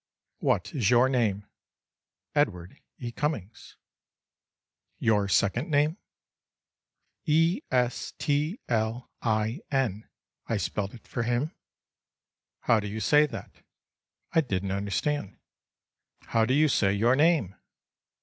"What is your name?"—"Edward E. Cummings." —"Your second name?"—"E s t l i n," I spelled it for him.—"How do you say that?"—I didn't understand.—"How do you say your name?"